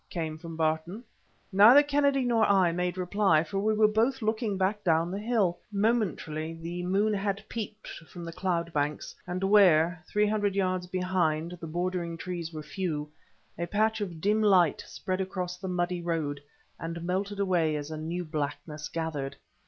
came from Barton. Neither Kennedy nor I made reply; for we were both looking back down the hill. Momentarily, the moon had peeped from the cloud banks, and where, three hundreds yards behind, the bordering trees were few, a patch of dim light spread across the muddy road and melted away as a new blackness gathered.